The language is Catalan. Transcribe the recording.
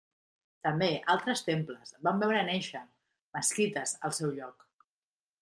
També altres temples van veure néixer mesquites al seu lloc.